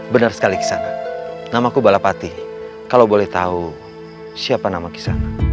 benar sekali kisana namaku balapati kalau boleh tahu siapa nama kisana